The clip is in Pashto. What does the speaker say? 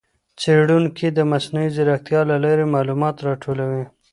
څېړونکي د مصنوعي ځېرکتیا له لارې معلومات راټولوي.